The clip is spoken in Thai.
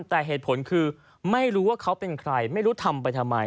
แต่เหตุผลคือไม่รู้ว่าเขาเป็นใครไม่รู้ทำไปทำไม